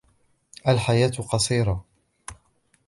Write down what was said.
الحياة قصيرة.